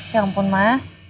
ya ampun mas